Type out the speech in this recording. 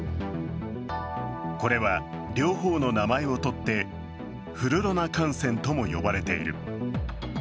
これは両方の名前をとってフルロナ感染とも呼ばれている。